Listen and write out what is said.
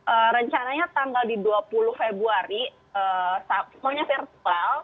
eee rencananya tanggal di dua puluh februari semuanya virtual